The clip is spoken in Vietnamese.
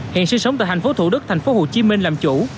hiện sinh sống tại thành phố thủ đức thành phố hồ chí minh làm chủ